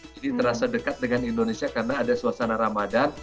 jadi terasa dekat dengan indonesia karena ada suasana ramadan